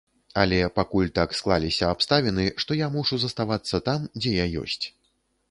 Але пакуль так склаліся абставіны, што я мушу заставацца там, дзе я ёсць.